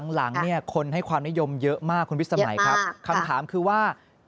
หลังคนให้ความนิยมเยอะมากคุณวิทธิ์สมัยคำถามคือว่า